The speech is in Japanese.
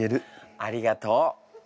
ありがとう。